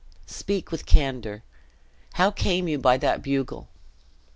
Speak with candor! How came you by that bugle?"